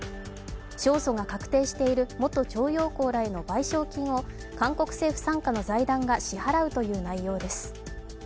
勝訴が確定している元徴用工らへの賠償金を韓国政府傘下の財団が支払うという内容です。